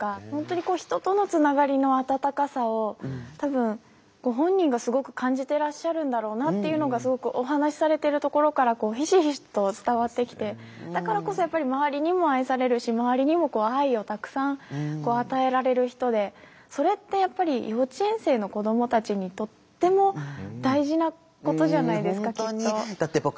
本当に人とのつながりの温かさを多分ご本人がすごく感じてらっしゃるんだろうなっていうのがすごくお話しされているところからひしひしと伝わってきてだからこそやっぱり周りにも愛されるし周りにも愛をたくさん与えられる人でそれってやっぱり幼稚園生の子どもたちにとっても大事なことじゃないですかきっと。